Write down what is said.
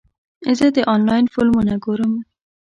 زه د انلاین فلمونه ګورم.